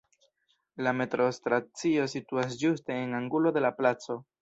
La metrostacio situas ĝuste en angulo de la placo.